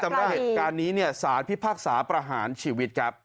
เหตุการณ์นี้เนี่ยสารพิพากษาประหารชีวิตครับ